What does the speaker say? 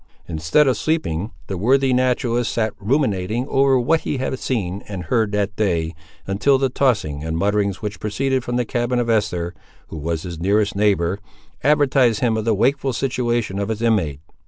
Instead of sleeping, the worthy naturalist sat ruminating over what he had both seen and heard that day, until the tossing and mutterings which proceeded from the cabin of Esther, who was his nearest neighbour, advertised him of the wakeful situation of its inmate.